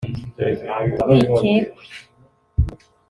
urwikekwe